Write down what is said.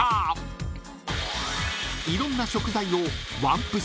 ［いろんな食材を］